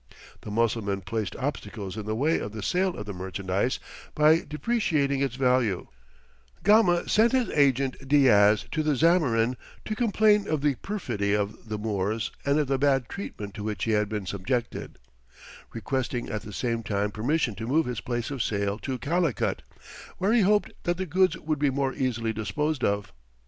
The Mussulmen placed obstacles in the way of the sale of the merchandise by depreciating its value; Gama sent his agent Diaz to the Zamorin to complain of the perfidy of the Moors and of the bad treatment to which he had been subjected, requesting at the same time permission to move his place of sale to Calicut, where he hoped that the goods would be more easily disposed of.